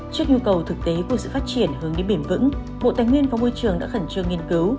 trước nhu cầu thực tế của sự phát triển hướng đến bền vững bộ tài nguyên và môi trường đã khẩn trương nghiên cứu